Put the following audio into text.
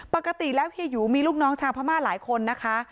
ปกติแล้วเฮียหยูมีลูกน้องชาวพม่าหลายคนนะคะ